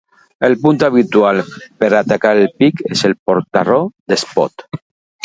El punt habitual per atacar el pic és el Portarró d'Espot.